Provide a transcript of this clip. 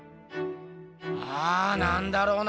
うんなんだろうな。